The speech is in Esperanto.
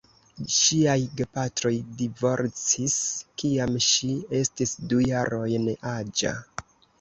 Ŝiaj gepatroj divorcis, kiam ŝi estis du jarojn aĝa.